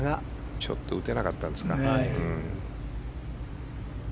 ちょっと打てなかったんですかね。